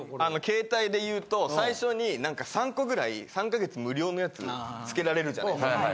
携帯で言うと最初に何か３個ぐらい３か月無料のやつつけられるじゃないですか。